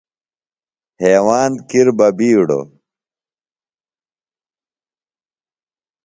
ہیواند کِر بہ بِیڈوۡ